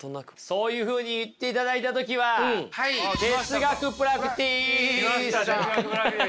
そういうふうに言っていただいた時は来ました哲学プラクティス。